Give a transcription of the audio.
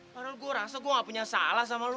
padahal gue rasa gue gak punya salah sama lo